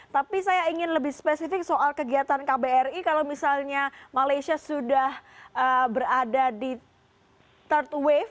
tapi saya ingin lebih spesifik soal kegiatan kbri kalau misalnya malaysia sudah berada di third wave